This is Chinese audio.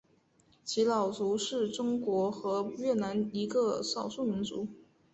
仡佬族是中国和越南的一个少数民族。